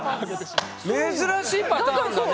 珍しいパターンだね。